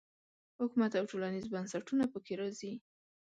حکومت او ټولنیز بنسټونه په کې راځي.